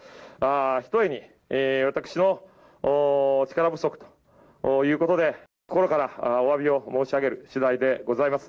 ひとえに私の力不足ということで、心からおわびを申し上げるしだいでございます。